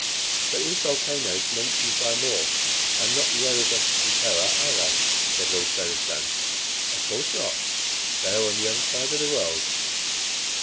"But these volcanoes mentioned by More are not the Erebus and Terror, are they?" said Lord Featherstone. "Of course not; they are on the other side of the world."